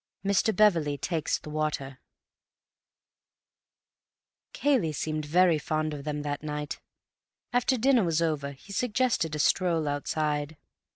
Mr. Beverley Takes the Water Cayley seemed very fond of them that night. After dinner was over, he suggested a stroll outside.